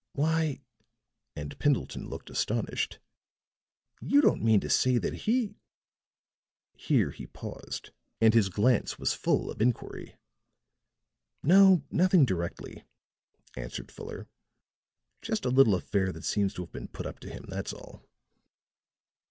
"Why," and Pendleton looked astonished, "you don't mean to say that he " here he paused and his glance was full of inquiry. "No, nothing directly," answered Fuller. "Just a little affair that seems to have been put up to him, that's all."